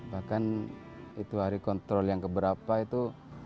bahkan itu hari kontrol yang keberapa itu